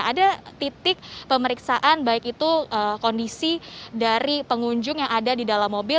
ada titik pemeriksaan baik itu kondisi dari pengunjung yang ada di dalam mobil